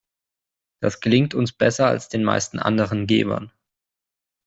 Das gelingt uns besser als den meisten anderen Gebern.